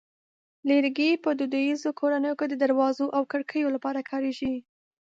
لرګی په دودیزو کورونو کې د دروازو او کړکیو لپاره کارېږي.